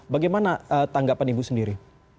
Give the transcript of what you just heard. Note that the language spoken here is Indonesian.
bagaimana tanggapan ibu sendiri